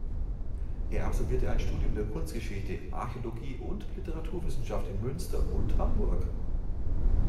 Er absolvierte ein Studium der Kunstgeschichte, Archäologie und Literaturwissenschaft in Münster und Hamburg.